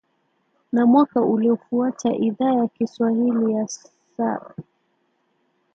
Na mwaka uliofuata Idhaa ya Kiswahili ya S